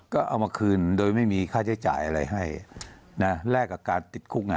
ก็เอามาคืนโดยไม่มีค่าใช้จ่ายอะไรให้นะแลกกับการติดคุกอ่ะ